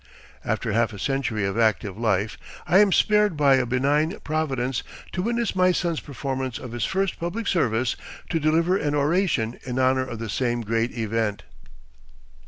After half a century of active life, I am spared by a benign Providence to witness my son's performance of his first public service, to deliver an oration in honor of the same great event."